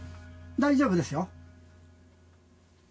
大丈夫ですよ。